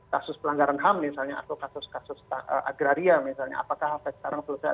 kasus pelanggaran ham misalnya atau kasus kasus agraria misalnya apakah sampai sekarang selesai